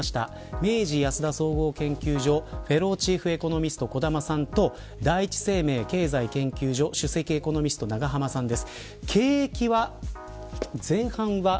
明治安田総合研究所フェローチーフエコノミスト小玉さんと第一生命経済研究所首席エコノミスト永濱さんです。